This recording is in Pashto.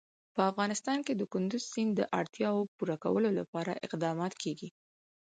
په افغانستان کې د کندز سیند د اړتیاوو پوره کولو لپاره اقدامات کېږي.